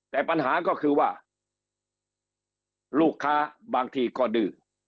แต่ปัญหาก็คือว่าลูกค้าบางทีก็ดื้อ